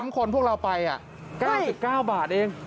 ๓คนพวกเราไป๙๙บาทเอง